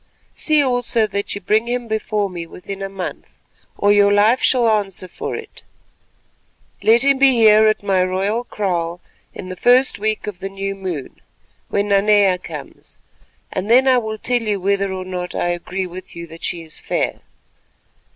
See also that you bring him before me within a month, or your life shall answer for it. Let him be here at my royal kraal in the first week of the new moon—when Nanea comes—and then I will tell you whether or no I agree with you that she is fair.